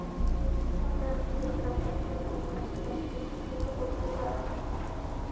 তবে রাতের দিকে তাপমাত্রা কমে আসা সাপেক্ষে গতি কিছুটা বাড়ানো হয়।